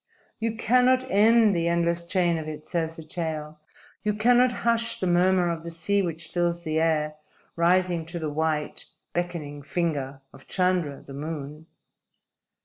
_ _You cannot end the endless chain of it, says the tale. You cannot hush the murmur of the sea which fills the air, rising to the white, beckoning finger of Chandra, the Moon.